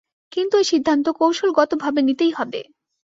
কিন্তু এই সিদ্ধান্ত কৌশলগতভাবে নিতেই হবে।